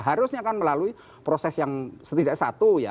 harusnya kan melalui proses yang setidaknya satu ya